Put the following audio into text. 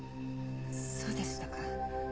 そうでしたか。